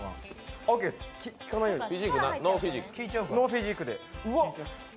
ノーフィジークで。